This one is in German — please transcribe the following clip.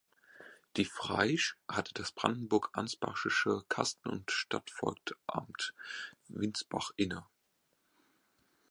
Die Fraisch hatte das brandenburg-ansbachische Kasten- und Stadtvogteiamt Windsbach inne.